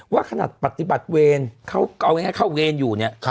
ว่าขนาดปฏิบัติเวรเขาเอาง่ายเข้าเวรอยู่เนี่ย